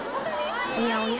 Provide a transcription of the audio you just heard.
おやおや？